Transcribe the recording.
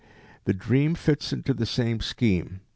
The dream fits into the same scheme.